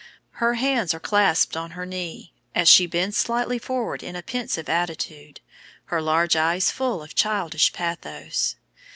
Her hands are clasped on her knee, as she bends slightly forward in a pensive attitude, her large eyes full of childish pathos.